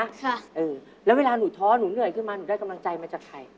ค่ะเออแล้วเวลาหนูท้อหนูเหนื่อยขึ้นมาหนูได้กำลังใจมาจากใคร